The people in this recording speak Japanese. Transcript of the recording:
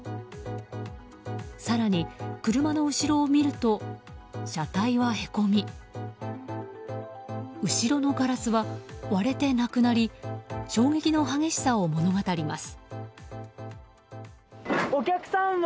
更に、車の後ろを見ると車体はへこみ後ろのガラスは割れてなくなり衝撃の激しさを物語ります。